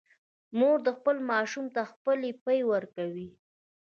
مور خپل ماشوم ته خپل پی ورکوي